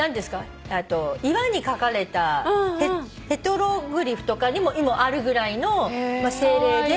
岩にかかれたペトログリフとかにもあるぐらいの精霊で。